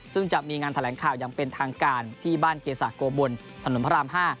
ซึ่งจะมีงานแถลงข่าวอย่างเป็นทางการที่บ้านเกษาโกบนถนนพระราม๕